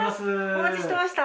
お待ちしておりました。